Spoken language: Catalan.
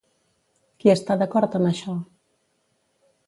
Qui està d'acord amb això?